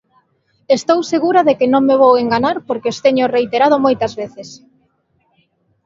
Estou segura de que non me vou enganar porque os teño reiterado moitas veces.